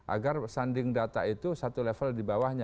agar sanding data itu satu level di bawahnya